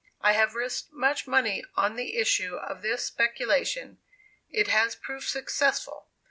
I have risked much money on the issue of this speculation it has proved successful.